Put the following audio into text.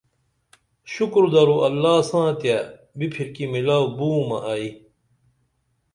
شُکر درو اللہ ساں تیہ بِپھرکی میلو بومہ ائی